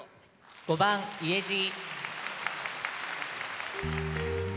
５番「家路」。